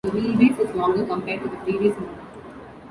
The wheelbase is longer compared to the previous model.